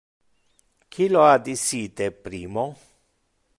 Qui lo ha dicite primo?